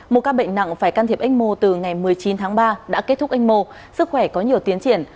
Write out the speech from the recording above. một ca bệnh nặng phải can thiệp anh mô từ ngày một mươi chín tháng ba đã kết thúc anh mô sức khỏe có nhiều tiến triển